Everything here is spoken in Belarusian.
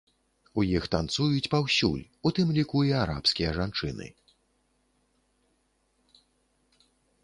У іх танцуюць паўсюль, у тым ліку, і арабскія жанчыны.